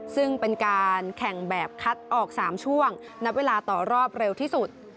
ซึ่งเป็นการแข่งแบบคัดออก๓ช่วงนับเวลาต่อรอบเร็วที่สุด